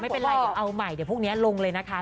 ไม่เป็นไรเดี๋ยวเอาใหม่เดี๋ยวพรุ่งนี้ลงเลยนะคะ